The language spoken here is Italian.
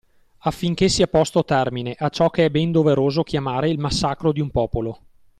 Affinché sia posto termine a ciò che è ben doveroso chiamare il massacro di un popolo.